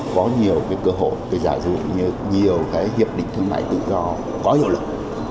có nhiều cơ hội để giải dụng nhiều hiệp định thương mại tự do có hiệu lực